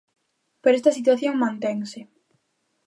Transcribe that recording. Pero esta situación mantense.